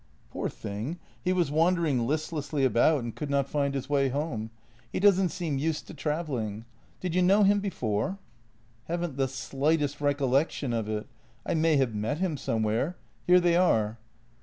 " Poor thing, he was wandering listlessly about and could not JENNY 21 find his way home. He doesn't seem used to travelling. Did you know him before? "" Haven't the slightest recollection of it. I may have met him somewhere. Here they are."